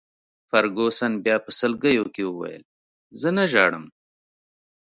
فرګوسن بیا په سلګیو کي وویل: زه نه ژاړم.